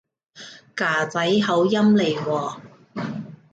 㗎仔口音嚟喎